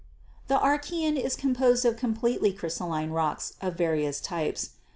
The Archaean is composed of completely crystalline rocks of various types.